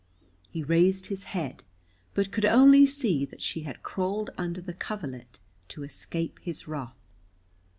He raised his head, but could only see that she had crawled under the coverlet to escape his wrath.